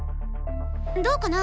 どうかな？